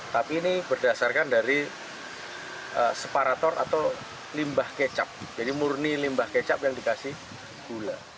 tapi ini berdasarkan dari separator atau limbah kecap jadi murni limbah kecap yang dikasih gula